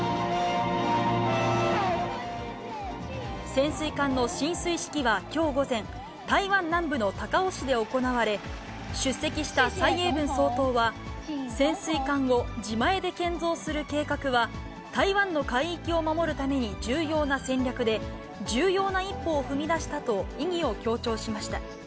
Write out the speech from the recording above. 潜水艦の進水式は、きょう午前、台湾南部の高雄市で行われ、出席した蔡英文総統は、潜水艦を自前で建造する計画は、台湾の海域を守るために重要な戦略で、重要な一歩を踏み出したと意義を強調しました。